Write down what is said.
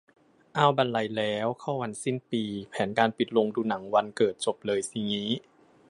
อ้าว บรรลัยแล้ว เข้าวันสิ้นปี แผนการปิดโรงดูหนังวันเกิดจบเลยสิงี้